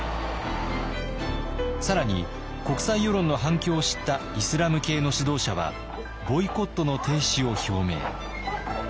更に国際世論の反響を知ったイスラム系の指導者はボイコットの停止を表明。